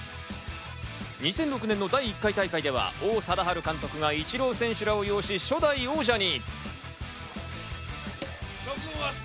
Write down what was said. ２００６年の第１回大会では、王貞治監督がイチロー選手らを擁し初代王者に。